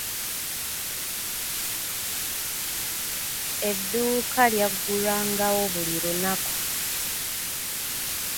Edduuka lyagulwangawo buli lunaku.